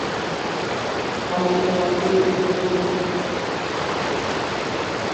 এটি আয়তনের দিক থেকে বাংলাদেশের সবচেয়ে ছোট ইউনিয়ন।